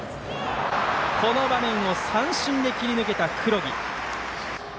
この場面を三振で切り抜けた黒木。